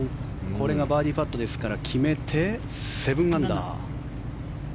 これがバーディーパットですから決めて７アンダー。